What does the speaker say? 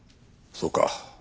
そうか。